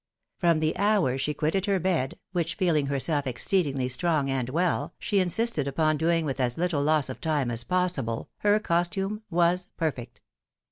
From the hour she quitted her bed, which, feeling herself exceedingly strong and well, she insisted upon doing with as httle loss of time as possible, her costume was perfect.